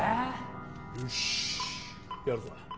よっしやるぞ。